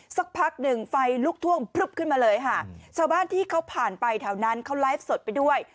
สักพักหนึ่งไฟลุกท่วมพลึบขึ้นมาเลยค่ะชาวบ้านที่เขาผ่านไปแถวนั้นเขาไลฟ์สดไปด้วย